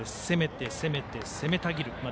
攻めて、攻めて攻めたぎる